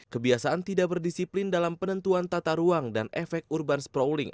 kebiasaan tidak berdisiplin dalam penentuan tata ruang dan efek urban sprawling